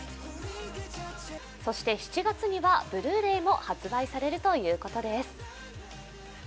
そして７月にはブルーレイも発売されるということです。